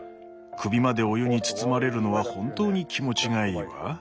首までお湯に包まれるのは本当に気持ちがいいわ。